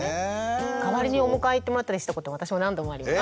代わりにお迎え行ってもらったりしたこと私も何度もあります。